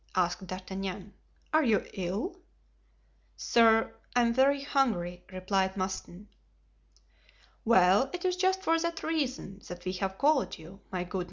asked D'Artagnan. "Are you ill?" "Sir, I am very hungry," replied Mouston. "Well, it is just for that reason that we have called you, my good M.